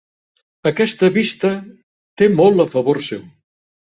Aquesta vista té molt a favor seu.